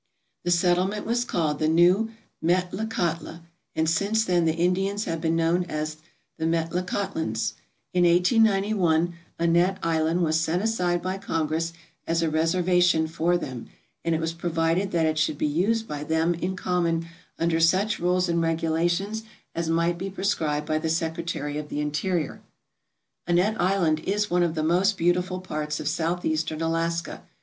The settlement was called the New Metlakahtla and since then the Indians have been known as the Metlakahtlans. In 1891 Annette Island was set aside by Congress as a reservation for them and it was provided that it should be used by them in common under such rules and regula tions as might be prescribed by the Secretary of the Interior. Annette Island is one of the most beautiful parts of Southeastern Alaska.